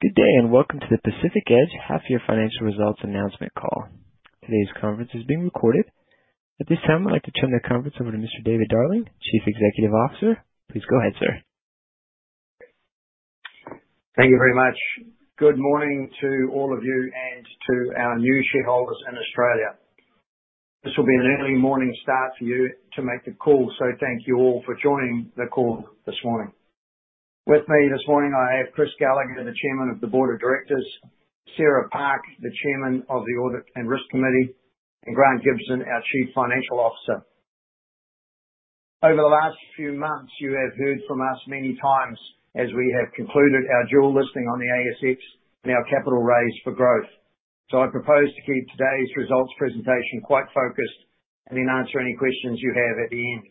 Good day, and welcome to the Pacific Edge Half-Year Financial Results Announcement Call. Today's conference is being recorded. At this time, I'd like to turn the conference over to Mr. David Darling, Chief Executive Officer. Please go ahead, sir. Thank you very much. Good morning to all of you and to our new shareholders in Australia. This will be an early morning start for you to make the call, so thank you all for joining the call this morning. With me this morning, I have Chris Gallaher, the Chairman of the Board of Directors, Sarah Park, the Chairman of the Audit and Risk Committee, and Grant Gibson, our Chief Financial Officer. Over the last few months, you have heard from us many times as we have concluded our dual listing on the ASX and our capital raise for growth. I propose to keep today's results presentation quite focused and then answer any questions you have at the end.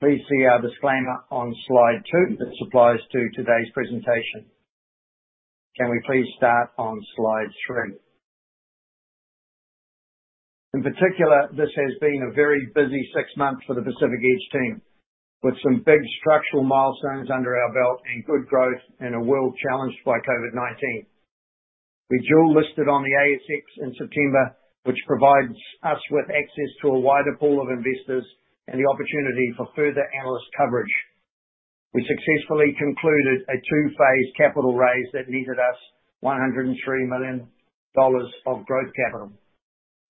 Please see our disclaimer on slide two that applies to today's presentation. Can we please start on slide three? In particular, this has been a very busy six months for the Pacific Edge team, with some big structural milestones under our belt and good growth in a world challenged by COVID-19. We dual-listed on the ASX in September, which provides us with access to a wider pool of investors and the opportunity for further analyst coverage. We successfully concluded a two-phase capital raise that netted us 103 million dollars of growth capital.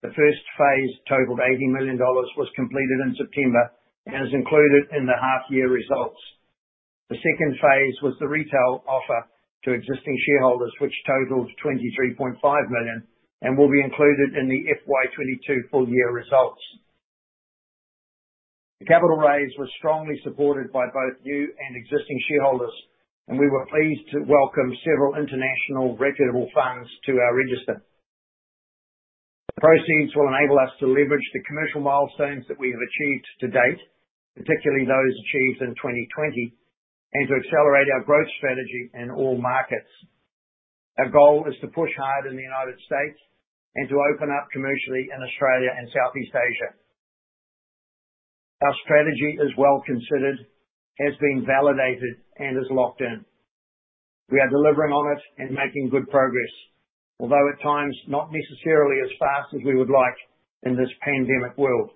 The first phase totaled 80 million dollars, was completed in September, and is included in the half year results. The second phase was the retail offer to existing shareholders, which totaled 23.5 million and will be included in the FY 2022 full year results. The capital raise was strongly supported by both new and existing shareholders, and we were pleased to welcome several international reputable funds to our register. The proceeds will enable us to leverage the commercial milestones that we have achieved to date, particularly those achieved in 2020, and to accelerate our growth strategy in all markets. Our goal is to push hard in the United States and to open up commercially in Australia and Southeast Asia. Our strategy is well considered, has been validated, and is locked in. We are delivering on it and making good progress, although at times not necessarily as fast as we would like in this pandemic world.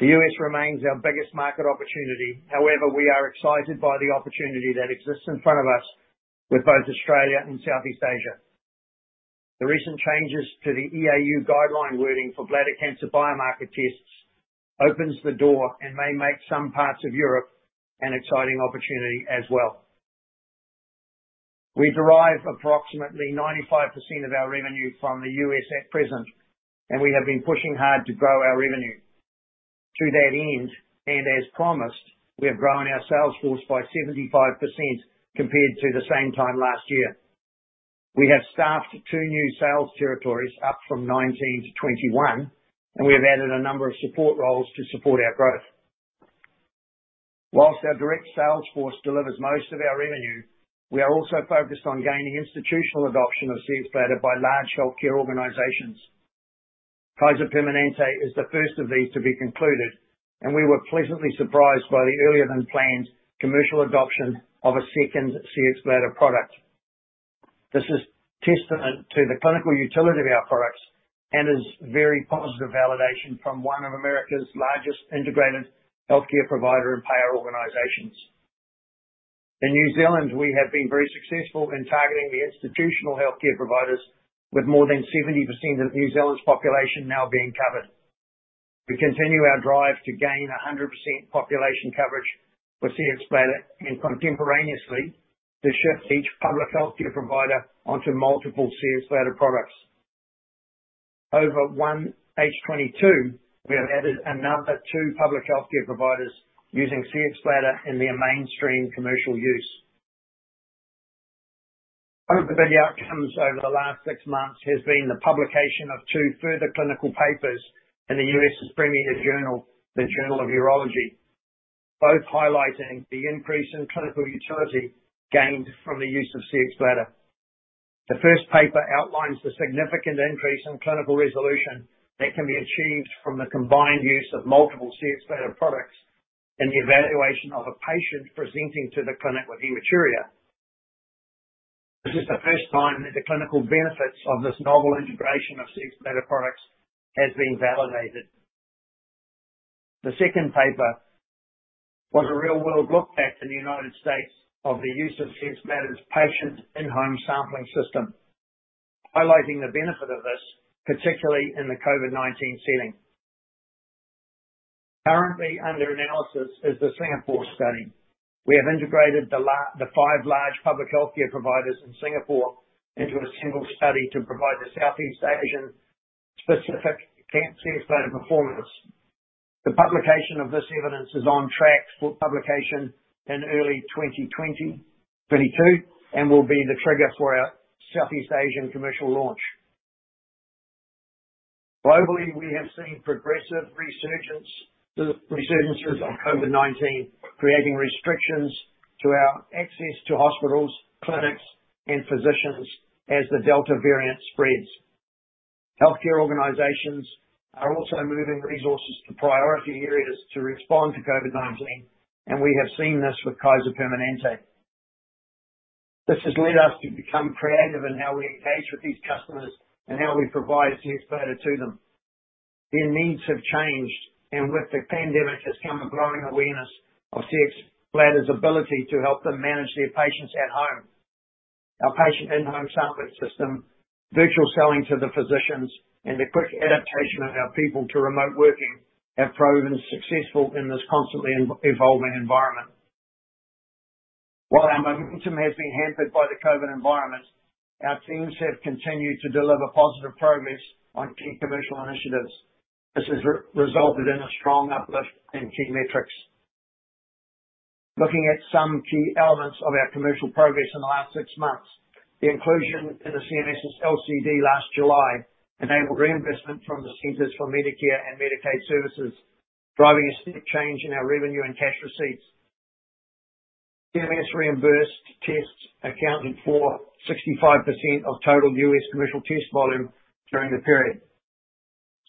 The U.S. remains our biggest market opportunity. However, we are excited by the opportunity that exists in front of us with both Australia and Southeast Asia. The recent changes to the EAU guideline wording for bladder cancer biomarker tests opens the door and may make some parts of Europe an exciting opportunity as well. We derive approximately 95% of our revenue from the U.S. at present, and we have been pushing hard to grow our revenue. To that end, and as promised, we have grown our sales force by 75% compared to the same time last year. We have staffed two new sales territories, up from 19 to 21, and we have added a number of support roles to support our growth. While our direct sales force delivers most of our revenue, we are also focused on gaining institutional adoption of Cxbladder by large healthcare organizations. Kaiser Permanente is the first of these to be concluded, and we were pleasantly surprised by the earlier than planned commercial adoption of a second Cxbladder product. This is testament to the clinical utility of our products and is very positive validation from one of America's largest integrated healthcare provider and payer organizations. In New Zealand, we have been very successful in targeting the institutional healthcare providers with more than 70% of New Zealand's population now being covered. We continue our drive to gain 100% population coverage for Cxbladder and contemporaneously to shift each public healthcare provider onto multiple Cxbladder products. Over 1H 2022, we have added another two public healthcare providers using Cxbladder in their mainstream commercial use. One of the big outcomes over the last six months has been the publication of two further clinical papers in the U.S.'s premier journal, The Journal of Urology, both highlighting the increase in clinical utility gained from the use of Cxbladder. The first paper outlines the significant increase in clinical resolution that can be achieved from the combined use of multiple Cxbladder products and the evaluation of a patient presenting to the clinic with hematuria. This is the first time that the clinical benefits of this novel integration of Cxbladder products has been validated. The second paper was a real-world look back in the United States of the use of Cxbladder's patient in-home sampling system, highlighting the benefit of this, particularly in the COVID-19 setting. Currently under analysis is the Singapore study. We have integrated the five large public healthcare providers in Singapore into a single study to provide the Southeast Asian specific Cxbladder performance. The publication of this evidence is on track for publication in early 2022 and will be the trigger for our Southeast Asian commercial launch. Globally, we have seen progressive resurgence of COVID-19, creating restrictions to our access to hospitals, clinics, and physicians as the Delta variant spreads. Healthcare organizations are also moving resources to priority areas to respond to COVID-19, and we have seen this with Kaiser Permanente. This has led us to become creative in how we engage with these customers and how we provide Cxbladder to them. Their needs have changed, and with the pandemic has come a growing awareness of Cxbladder's ability to help them manage their patients at home. Our patient in-home sampling system, virtual selling to the physicians, and the quick adaptation of our people to remote working have proven successful in this constantly evolving environment. While our momentum has been hampered by the COVID environment, our teams have continued to deliver positive progress on key commercial initiatives. This has resulted in a strong uplift in key metrics. Looking at some key elements of our commercial progress in the last six months, the inclusion in the CMS's LCD last July enabled reinvestment from the Centers for Medicare and Medicaid Services, driving a steep change in our revenue and cash receipts. CMS reimbursed tests accounting for 65% of total U.S. commercial test volume during the period.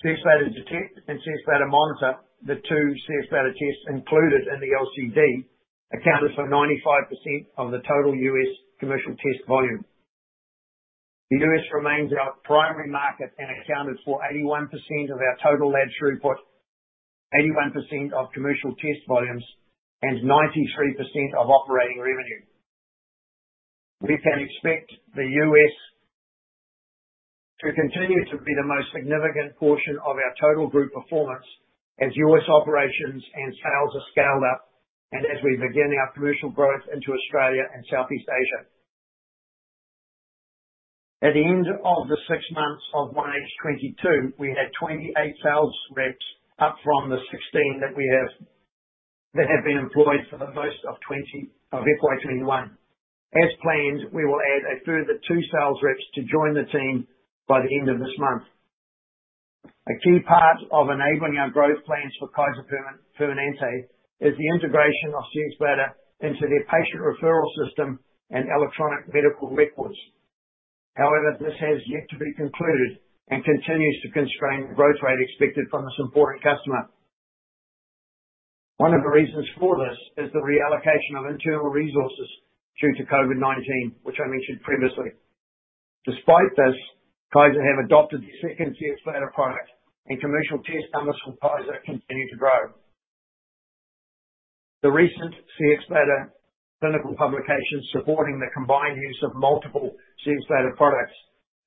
Cxbladder Detect and Cxbladder Monitor, the two Cxbladder tests included in the LCD, accounted for 95% of the total U.S. commercial test volume. The U.S. remains our primary market and accounted for 81% of our total lab throughput, 81% of commercial test volumes, and 93% of operating revenue. We can expect the U.S. to continue to be the most significant portion of our total group performance as U.S. operations and sales are scaled up and as we begin our commercial growth into Australia and Southeast Asia. At the end of the six months of 1H 2022, we had 28 sales reps, up from the 16 that have been employed for most of FY 2021. As planned, we will add a further two sales reps to join the team by the end of this month. A key part of enabling our growth plans for Kaiser Permanente is the integration of Cxbladder into their patient referral system and electronic medical records. However, this has yet to be concluded and continues to constrain the growth rate expected from this important customer. One of the reasons for this is the reallocation of internal resources due to COVID-19, which I mentioned previously. Despite this, Kaiser have adopted the second Cxbladder product, and commercial test numbers from Kaiser continue to grow. The recent Cxbladder clinical publications supporting the combined use of multiple Cxbladder products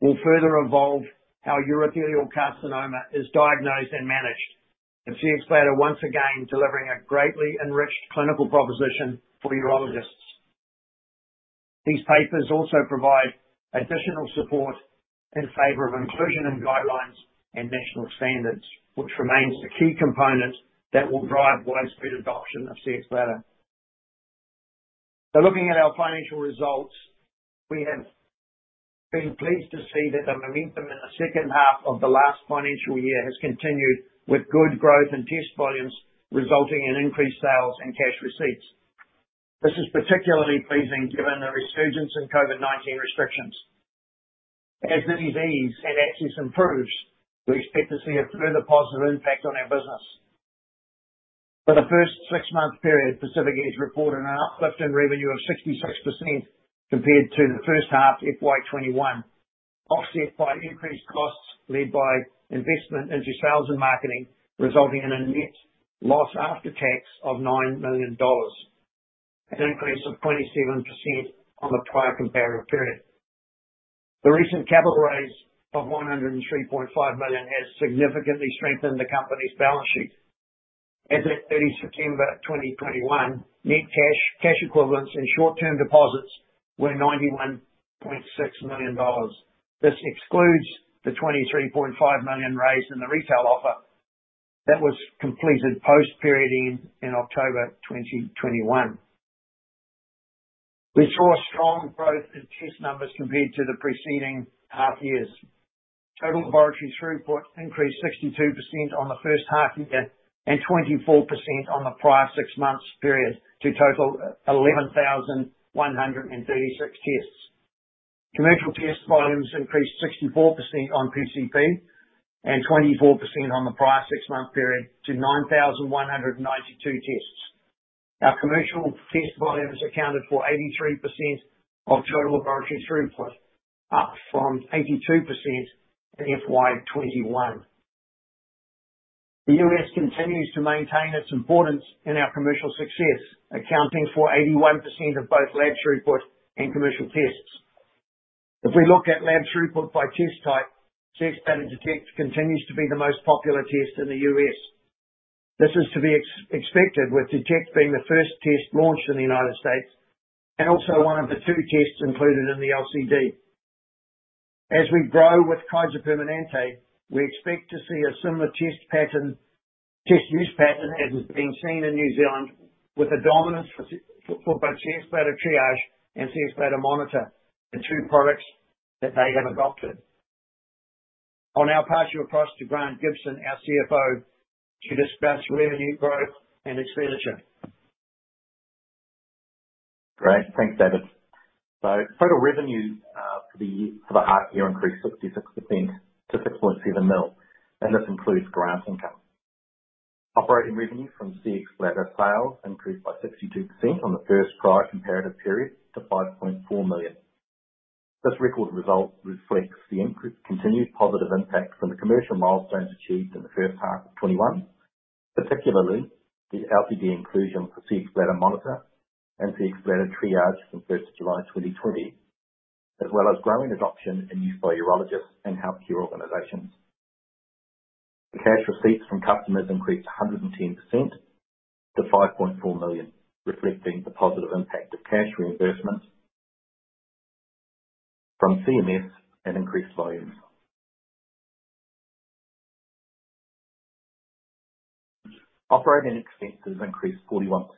will further evolve how urothelial carcinoma is diagnosed and managed, and Cxbladder once again delivering a greatly enriched clinical proposition for urologists. These papers also provide additional support in favor of inclusion in guidelines and national standards, which remains the key component that will drive widespread adoption of Cxbladder. Looking at our financial results, we have been pleased to see that the momentum in the second half of the last financial year has continued with good growth in test volumes, resulting in increased sales and cash receipts. This is particularly pleasing given the resurgence in COVID-19 restrictions. As this eases and access improves, we expect to see a further positive impact on our business. For the first six-month period, Pacific Edge reported an uplift in revenue of 66% compared to the first half FY 2021, offset by increased costs led by investment into sales and marketing, resulting in a net loss after tax of 9 million dollars, an increase of 27% on the prior comparative period. The recent capital raise of 103.5 million has significantly strengthened the company's balance sheet. As at 30 September 2021, net cash equivalents, and short-term deposits were 91.6 million dollars. This excludes the 23.5 million raised in the retail offer that was completed post-period in October 2021. We saw strong growth in test numbers compared to the preceding half years. Total laboratory throughput increased 62% on the first half year and 24% on the prior six months period to total 11,136 tests. Commercial test volumes increased 64% on PCP and 24% on the prior six-month period to 9,192 tests. Our commercial test volumes accounted for 83% of total laboratory throughput, up from 82% in FY 2021. The U.S. continues to maintain its importance in our commercial success, accounting for 81% of both lab throughput and commercial tests. If we look at lab throughput by test type, Cxbladder Detect continues to be the most popular test in the U.S. This is to be expected, with Detect being the first test launched in the United States and also one of the two tests included in the LCD. As we grow with Kaiser Permanente, we expect to see a similar test use pattern as is being seen in New Zealand with a dominance for both Cxbladder Triage and Cxbladder Monitor, the two products that they have adopted. I'll now pass you across to Grant Gibson, our CFO, to discuss revenue growth and expenditure. Great. Thanks, David. Total revenue for the half year increased 66% to 6.7 million, and this includes grant income. Operating revenue from Cxbladder sales increased by 62% on the first prior comparative period to 5.4 million. This record result reflects the increased continued positive impact from the commercial milestones achieved in the first half of 2021, particularly the LCD inclusion for Cxbladder Monitor and Cxbladder Triage from July 1, 2020, as well as growing adoption and use by urologists and healthcare organizations. The cash receipts from customers increased 110% to 5.4 million, reflecting the positive impact of cash reimbursement from CMS and increased volumes. Operating expenses increased 41%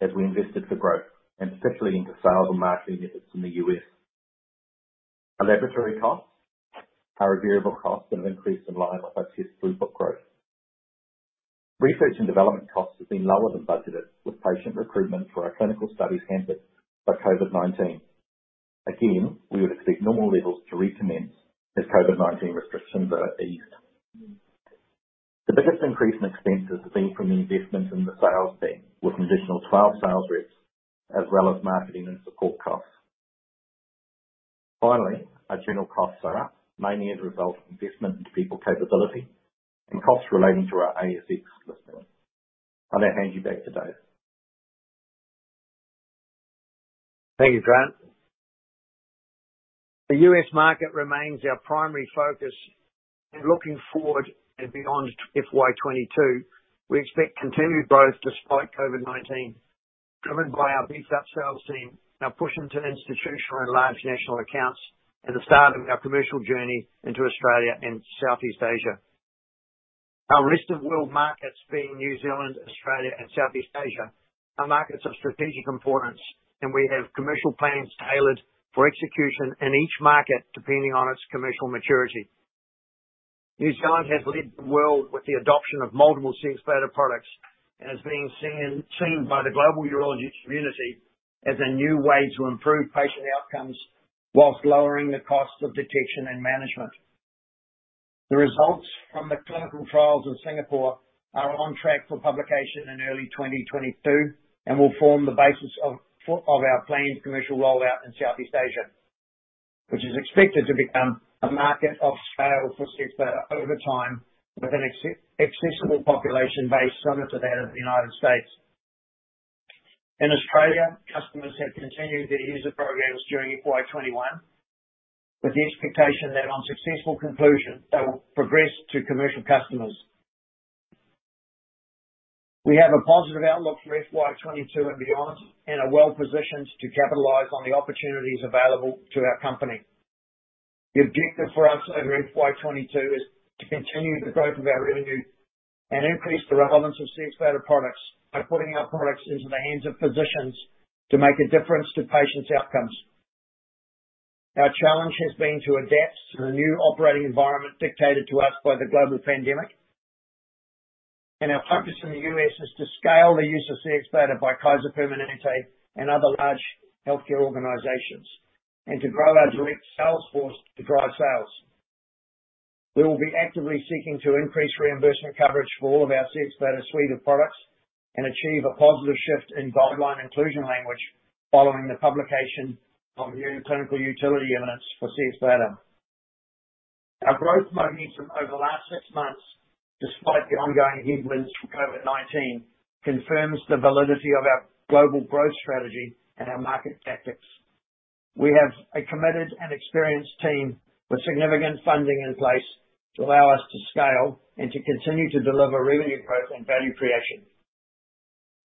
as we invested for growth, and especially into sales and marketing efforts in the U.S. Our laboratory costs are a variable cost that have increased in line with our test throughput growth. Research and development costs have been lower than budgeted, with patient recruitment for our clinical studies hampered by COVID-19. Again, we would expect normal levels to recommence as COVID-19 restrictions are eased. The biggest increase in expenses have been from the investments in the sales team, with an additional 12 sales reps, as well as marketing and support costs. Finally, our general costs are up, mainly as a result of investment into people capability and costs relating to our ASX listing. I now hand you back to Dave. Thank you, Grant. The U.S. market remains our primary focus, and looking forward and beyond FY 2022, we expect continued growth despite COVID-19, driven by our beefed up sales team, our push into institutional and large national accounts, and the start of our commercial journey into Australia and Southeast Asia. Our rest of world markets, being New Zealand, Australia and Southeast Asia, are markets of strategic importance, and we have commercial plans tailored for execution in each market depending on its commercial maturity. New Zealand has led the world with the adoption of multiple Cxbladder products and is being seen by the global urology community as a new way to improve patient outcomes while lowering the cost of detection and management. The results from the clinical trials in Singapore are on track for publication in early 2022, and will form the basis of our planned commercial rollout in Southeast Asia, which is expected to become a market of scale for Cxbladder over time, with an accessible population base similar to that of the United States. In Australia, customers have continued their user programs during FY 2021, with the expectation that on successful conclusion, they will progress to commercial customers. We have a positive outlook for FY 2022 and beyond, and are well-positioned to capitalize on the opportunities available to our company. The objective for us over FY 2022 is to continue the growth of our revenue and increase the relevance of Cxbladder products by putting our products into the hands of physicians to make a difference to patients' outcomes. Our challenge has been to adapt to the new operating environment dictated to us by the global pandemic. Our focus in the U.S. is to scale the use of Cxbladder by Kaiser Permanente and other large healthcare organizations, and to grow our direct sales force to drive sales. We will be actively seeking to increase reimbursement coverage for all of our Cxbladder suite of products and achieve a positive shift in guideline inclusion language following the publication of new clinical utility units for Cxbladder. Our growth momentum over the last six months, despite the ongoing headwinds from COVID-19, confirms the validity of our global growth strategy and our market tactics. We have a committed and experienced team with significant funding in place to allow us to scale and to continue to deliver revenue growth and value creation.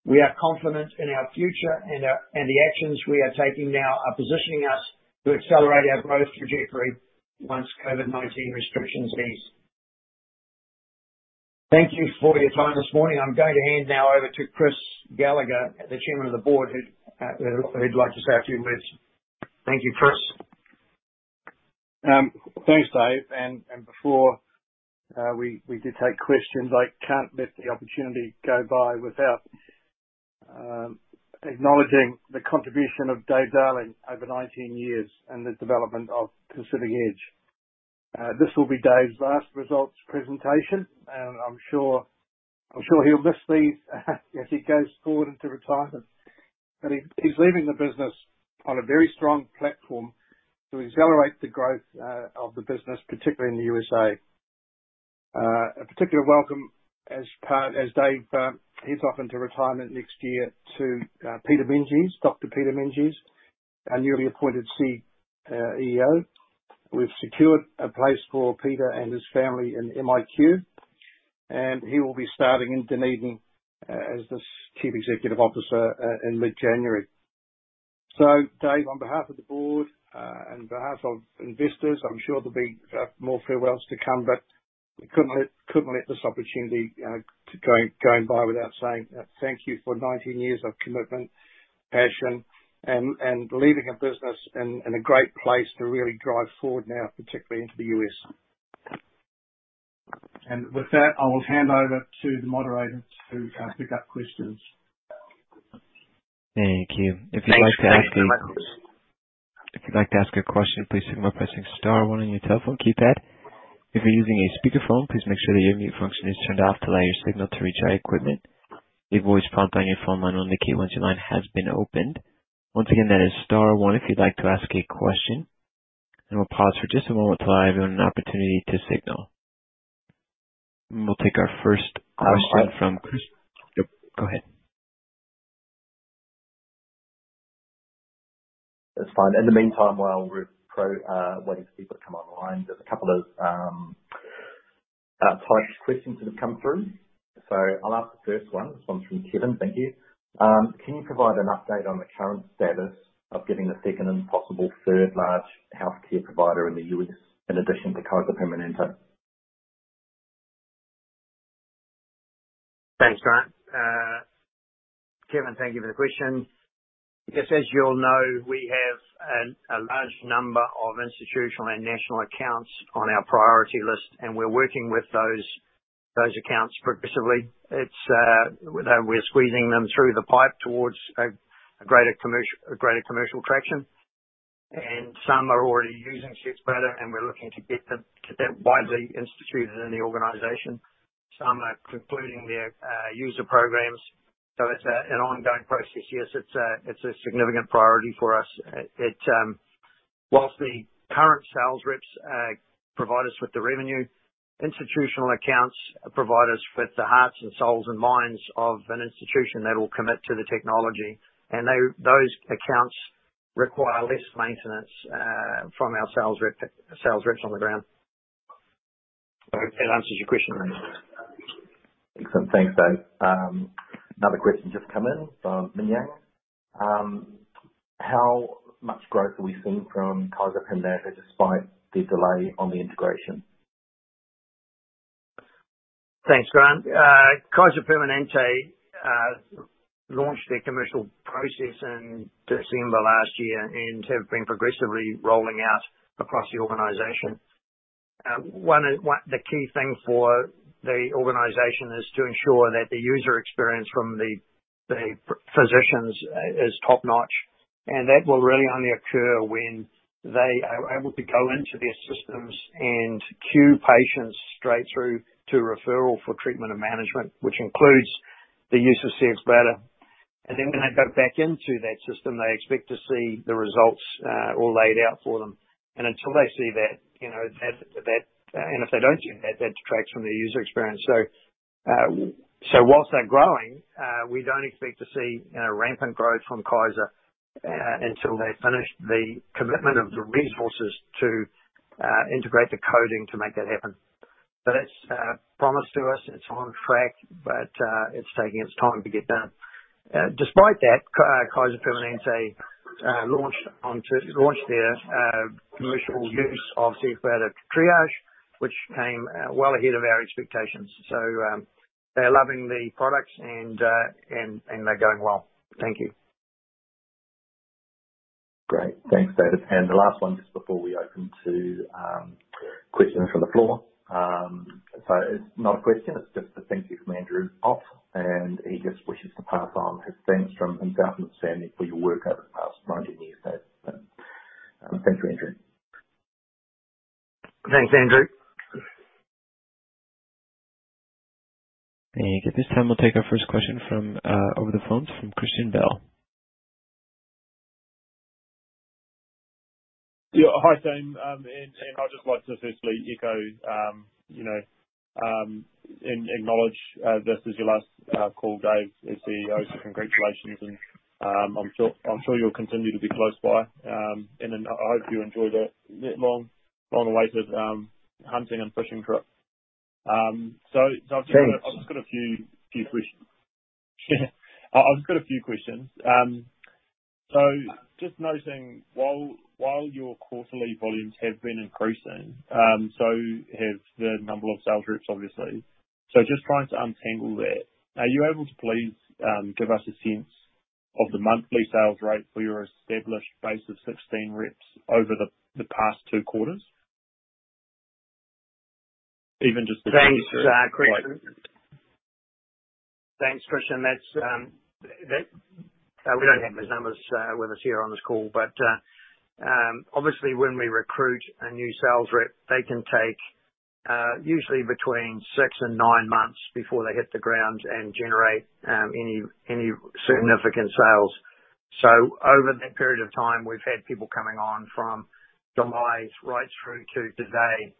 We are confident in our future and the actions we are taking now are positioning us to accelerate our growth trajectory once COVID-19 restrictions ease. Thank you for your time this morning. I'm going to hand now over to Chris Gallagher, the Chairman of the Board, who'd like to say a few words. Thank you, Chris. Thanks, Dave. Before we do take questions, I can't let the opportunity go by without acknowledging the contribution of David Darling over 19 years in the development of Pacific Edge. This will be David's last results presentation, and I'm sure he'll miss these as he goes forward into retirement. He's leaving the business on a very strong platform to accelerate the growth of the business, particularly in the U.S.A.. A particular welcome as Dave heads off into retirement next year to Peter Meintjes, Dr. Peter Meintjes, our newly appointed CEO. We've secured a place for Peter and his family in MIQ, and he will be starting in Dunedin as the Chief Executive Officer in mid-January. Dave, on behalf of the Board and on behalf of investors, I'm sure there'll be more farewells to come, but we couldn't let this opportunity going by without saying thank you for 19 years of commitment, passion and leaving a business in a great place to really drive forward now, particularly into the U.S. With that, I will hand over to the moderator to pick up questions. Thank you. If you'd like to ask a Thanks, Dave. If you'd like to ask a question, please signal by pressing star one on your telephone keypad. If you're using a speakerphone, please make sure that your mute function is turned off to allow your signal to reach our equipment. A voice prompt on your phone line will indicate once your line has been opened. Once again, that is star one if you'd like to ask a question. We'll pause for just a moment to allow everyone an opportunity to signal. We'll take our first question from Chris. Yep. Go ahead. That's fine. In the meantime, while we're waiting for people to come online, there's a couple of typed questions that have come through. I'll ask the first one. This one's from Kevin. Thank you. Can you provide an update on the current status of getting the second and possible third large healthcare provider in the U.S. in addition to Kaiser Permanente? Thanks, Grant. Kevin, thank you for the question. I guess as you all know, we have a large number of institutional and national accounts on our priority list, and we're working with those accounts progressively. We're squeezing them through the pipe towards a greater commercial traction. Some are already using Cxbladder, and we're looking to get that widely instituted in the organization. Some are concluding their user programs. It's an ongoing process. Yes, it's a significant priority for us. While the current sales reps provide us with the revenue, institutional accounts provide us with the hearts and souls and minds of an institution that will commit to the technology. Those accounts require less maintenance from our sales reps on the ground. I hope that answers your question. Excellent. Thanks, Dave. Another question has just come in from Ming Yang. How much growth are we seeing from Kaiser Permanente despite the delay on the integration? Thanks, Grant. Kaiser Permanente launched their commercial process in December last year and have been progressively rolling out across the organization. The key thing for the organization is to ensure that the user experience from the physicians is top-notch, and that will really only occur when they are able to go into their systems and queue patients straight through to referral for treatment and management, which includes the use of Cxbladder. When they go back into that system, they expect to see the results all laid out for them. Until they see that, you know, and if they don't see that detracts from their user experience. While they're growing, we don't expect to see, you know, rampant growth from Kaiser until they've finished the commitment of the resources to integrate the coding to make that happen. It's promised to us, it's on track, but it's taking its time to get done. Despite that, Kaiser Permanente launched their commercial use of Cxbladder Triage, which came well ahead of our expectations. They're loving the products and they're going well. Thank you. Great. Thanks, David. The last one just before we open to questions from the floor. It's not a question, it's just a thank you from Andrew Otto, and he just wishes to pass on his thanks from him, thousands standing for your work over the past 19 years. Thank you, Andrew. Thanks, Andrew. Thank you. At this time, we'll take our first question from over the phone from Christian Bell. Yeah. Hi, Dave, and team. I'd just like to firstly echo, you know, and acknowledge, this is your last call, Dave, as CEO, so congratulations, and, I'm sure you'll continue to be close by. I hope you enjoy that long-awaited hunting and fishing trip. I've just got a- Thanks. I've just got a few questions. Just noting, while your quarterly volumes have been increasing, so have the number of sales reps, obviously. Just trying to untangle that, are you able to please give us a sense of the monthly sales rate for your established base of 16 reps over the past two quarters? Even just the- Thanks, Christian. We don't have those numbers with us here on this call, but obviously when we recruit a new sales rep, they can take usually between six and nine months before they hit the ground and generate any significant sales. Over that period of time, we've had people coming on from July right through to today.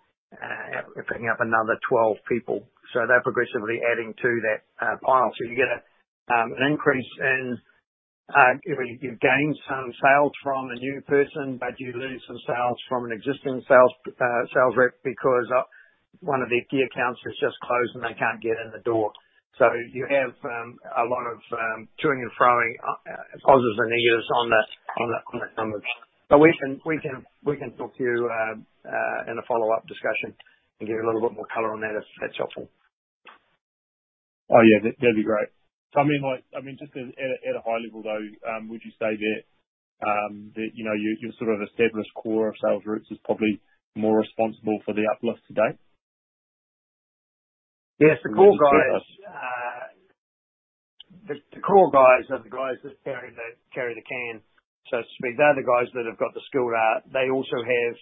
We're picking up another 12 people. They're progressively adding to that pile. You get an increase. You gain some sales from a new person, but you lose some sales from an existing sales rep because one of their key accounts has just closed and they can't get in the door. You have a lot of to-ing and fro-ing, pros and cons on the numbers. We can talk to you in a follow-up discussion and give you a little bit more color on that if that's helpful. Oh, yeah, that'd be great. I mean, like, I mean, just at a high level, though, would you say that, you know, your sort of established core of sales reps is probably more responsible for the uplift to date? Yes. The core guys are the guys that carry the can, so to speak. They're the guys that have got the skill set. They also have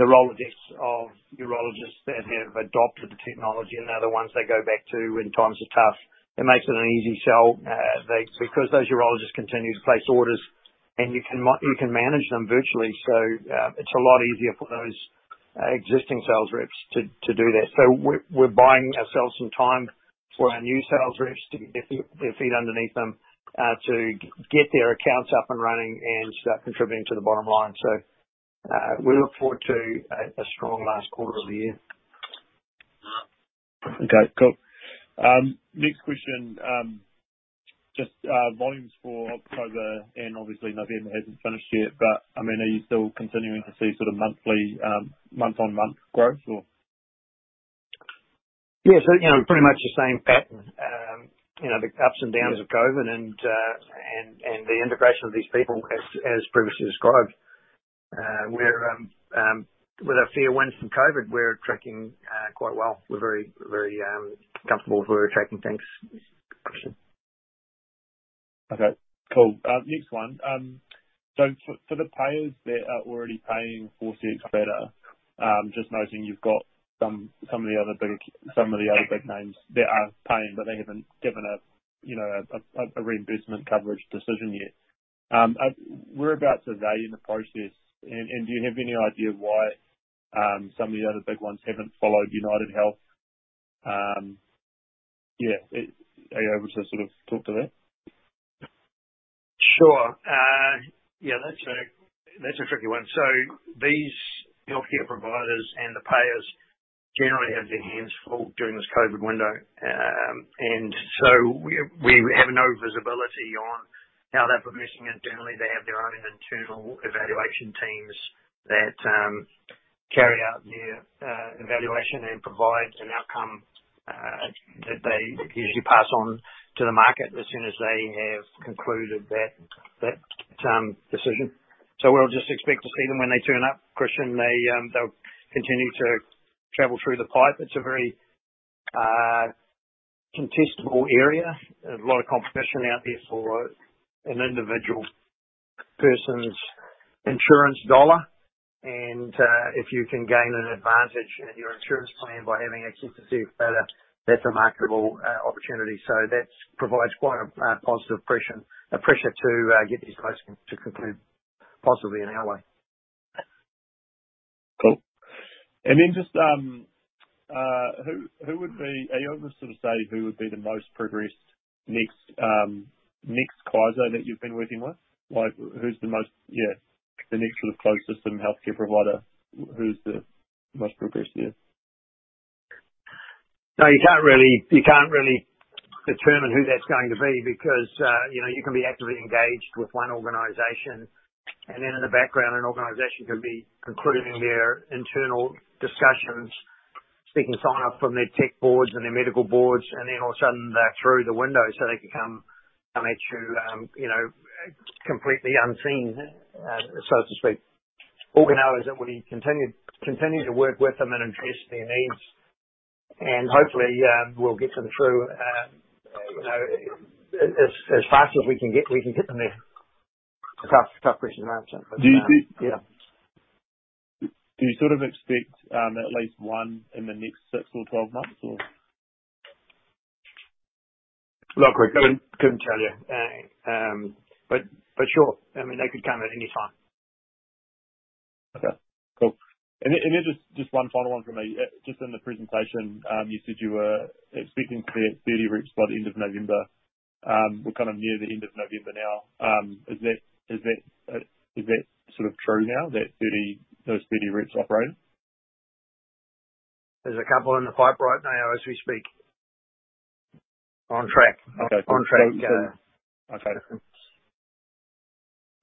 the urologists that have adopted the technology, and they're the ones they go back to when times are tough. It makes it an easy sell, because those urologists continue to place orders, and you can manage them virtually. It's a lot easier for those existing sales reps to do that. We're buying ourselves some time for our new sales reps to get their feet underneath them, to get their accounts up and running and start contributing to the bottom line. We look forward to a strong last quarter of the year. Okay, cool. Next question. Just, volumes for October and obviously November hasn't finished yet, but I mean, are you still continuing to see sort of monthly, month-on-month growth or? Yes. You know, pretty much the same pattern. You know, the ups and downs of COVID and the integration of these people as previously described. We're with a fair wind from COVID, we're tracking quite well. We're very comfortable with where we're tracking things, Christian. Okay, cool. Next one. So for the payers that are already paying for Cxbladder, just noting you've got some of the other big names that are paying, but they haven't given a reimbursement coverage decision yet. Whereabouts are they in the process? And do you have any idea why some of the other big ones haven't followed United Healthcare? Yeah. Are you able to sort of talk to that? Sure. Yeah, that's a tricky one. These healthcare providers and the payers generally have their hands full during this COVID window. We have no visibility on how they're progressing. Internally, they have their own internal evaluation teams that carry out their evaluation and provide an outcome that they usually pass on to the market as soon as they have concluded that decision. We'll just expect to see them when they turn up, Christian. They'll continue to travel through the pipe. It's a very contestable area. A lot of competition out there for an individual person's insurance dollar. If you can gain an advantage in your insurance plan by having access to better, that's a marketable opportunity. That provides quite a positive pressure to get these guys to conclude positively in our way. Cool. Just, are you able to sort of say who would be the most progressed next client that you've been working with? Like, who's the most, the next sort of closest in healthcare provider, who's the most progressed? No, you can't really, you can't really determine who that's going to be because, you know, you can be actively engaged with one organization, and then in the background, an organization can be concluding their internal discussions, seeking sign off from their tech boards and their medical boards, and then all of a sudden they're through the window, so they can come at you know, completely unseen, so to speak. All we know is that we continue to work with them and address their needs and hopefully, we'll get them through, you know, as fast as we can get them there. Tough question to answer. Do, do- Yeah. Do you sort of expect at least one in the next six or 12 months, or? Look, we couldn't tell you. Sure, I mean, they could come at any time. Okay, cool. Just one final one from me. Just in the presentation, you said you were expecting to be at 30 reps by the end of November. We're kind of near the end of November now. Is that sort of true now, those 30 reps operating? There's a couple in the pipe right now as we speak. On track. Okay. On track, yeah. Okay.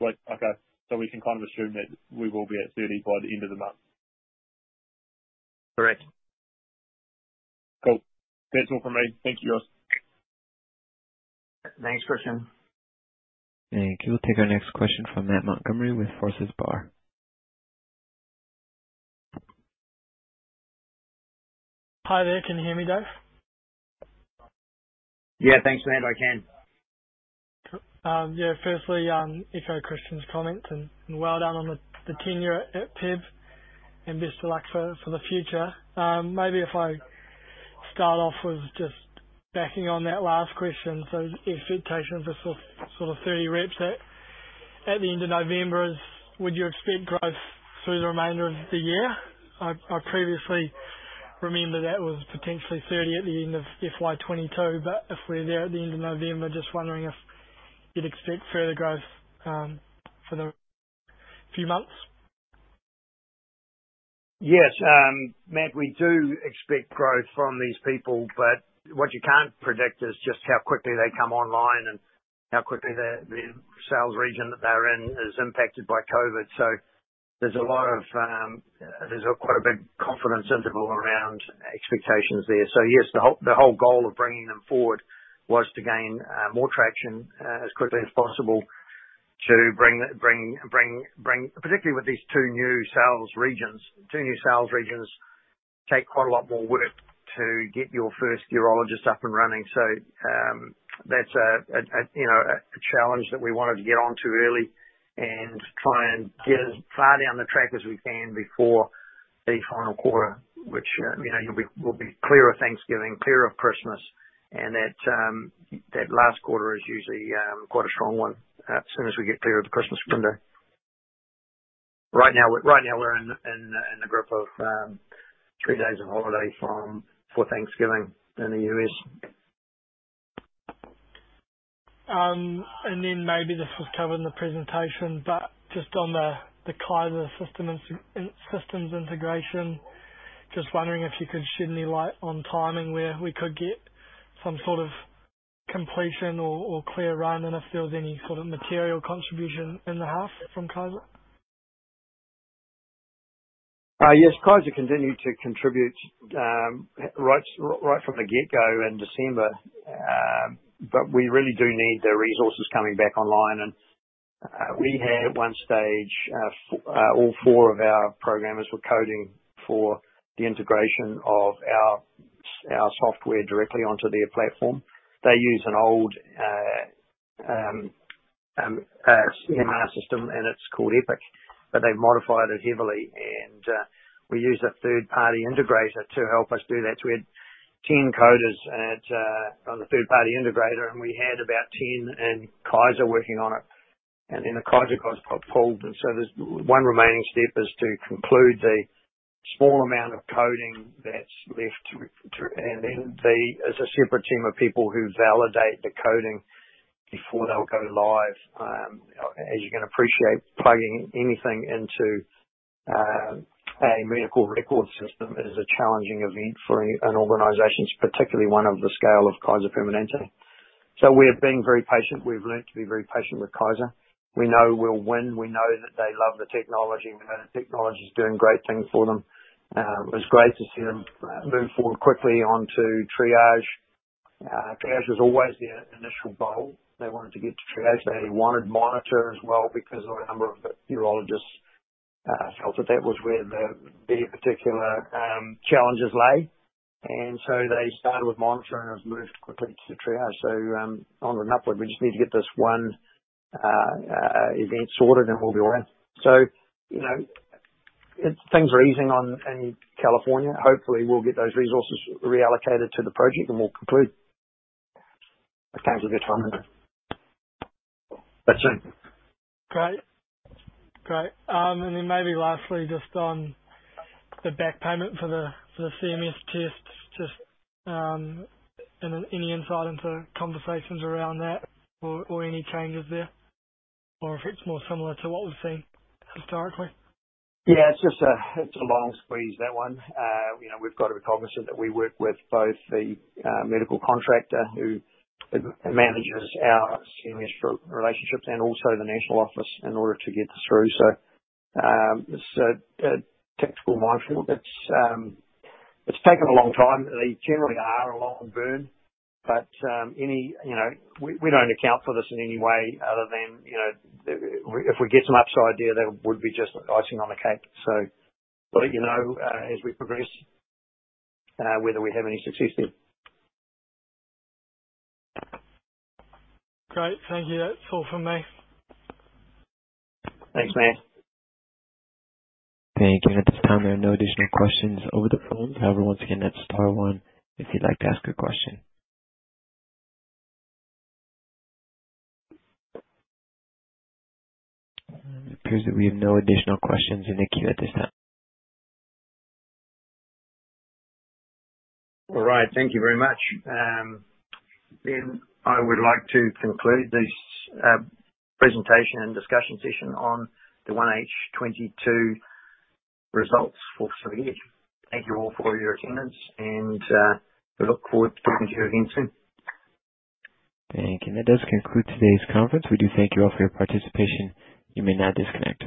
Great. Okay. We can kind of assume that we will be at 30 by the end of the month. Correct. Cool. That's all from me. Thank you, guys. Thanks, Christian. Thank you. We'll take our next question from Matt Montgomerie with Forsyth Barr. Hi there. Can you hear me, Dave? Yeah. Thanks, Matt. I can. Yeah, firstly, echo Christian's comments and well done on the tenure at PEB and best of luck for the future. Maybe if I start off with just backing on that last question. The expectation for sort of 30 reps at the end of November. Would you expect growth through the remainder of the year? I previously remember that was potentially 30 at the end of FY 2022, but if we're there at the end of November, just wondering if you'd expect further growth for the few months. Yes. Matt, we do expect growth from these people, but what you can't predict is just how quickly they come online and how quickly the sales region that they're in is impacted by COVID. There's quite a big confidence interval around expectations there. Yes, the whole goal of bringing them forward was to gain more traction as quickly as possible to bring particularly with these two new sales regions. Two new sales regions take quite a lot more work to get your first urologist up and running. That's you know a challenge that we wanted to get onto early and try and get as far down the track as we can before the final quarter, which you know we'll be clear of Thanksgiving, clear of Christmas, and that last quarter is usually quite a strong one as soon as we get clear of the Christmas window. Right now we're in the grip of three days of holiday for Thanksgiving in the U.S. Maybe this was covered in the presentation, but just on the Kaiser systems integration. Just wondering if you could shed any light on timing, where we could get some sort of completion or clear run and if there was any sort of material contribution in the half from Kaiser. Yes. Kaiser continued to contribute, right from the get-go in December. But we really do need their resources coming back online, and we had at one stage all four of our programmers coding for the integration of our software directly onto their platform. They use an old EMR system, and it's called Epic, but they modified it heavily. We use a third-party integrator to help us do that. We had 10 coders on the third-party integrator, and we had about 10 in Kaiser working on it. Then the Kaiser guys got pulled, and so there's one remaining step, which is to conclude the small amount of coding that's left. Then, as a separate team of people who validate the coding before they'll go live. As you can appreciate, plugging anything into a medical record system is a challenging event for an organization. It's particularly one of the scale of Kaiser Permanente. We have been very patient. We've learned to be very patient with Kaiser. We know we'll win. We know that they love the technology. We know the technology is doing great things for them. It was great to see them move forward quickly on to Triage. Triage was always their initial goal. They wanted to get to Triage. They wanted Monitor as well because of a number of urologists felt that that was where the their particular challenges lay. They started with Monitor and have moved quickly to Triage. On an upward, we just need to get this one event sorted and we'll be all right. You know, things are easing on in California. Hopefully, we'll get those resources reallocated to the project, and we'll conclude in terms of their timing. That's it. Great. Maybe lastly, just on the back payment for the CMS tests, just any insight into conversations around that or any changes there, or if it's more similar to what we've seen historically? Yeah, it's just a long squeeze, that one. You know, we've got to be cognizant that we work with both the medical contractor who manages our CMS relationships and also the national office in order to get this through. It's a technical minefield. It's taken a long time. They generally are a long burn, but you know, we don't account for this in any way other than, you know, if we get some upside there, that would be just icing on the cake. We'll let you know as we progress whether we have any success there. Great. Thank you. That's all from me. Thanks, Matt. Thank you. At this time, there are no additional questions over the phone. However, once again, that's star one if you'd like to ask a question. It appears that we have no additional questions in the queue at this time. All right. Thank you very much. I would like to conclude this presentation and discussion session on the 1H 2022 results for Pacific Edge. Thank you all for your attendance and we look forward to talking to you again soon. Thank you. That does conclude today's conference. We do thank you all for your participation. You may now disconnect.